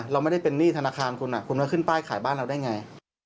เราไม่ได้เป็นหนี้ธนาคารคุณคุณมาขึ้นป้ายขายบ้านเราได้ไง